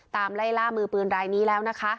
ไล่ล่ามือปืนรายนี้แล้วนะคะ